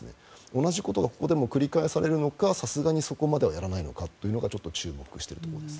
同じことがここでも繰り返されるのかさすがにそこまでやらないか注目しているところです。